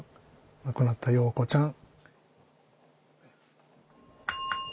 亡くなった瑤子ちゃん。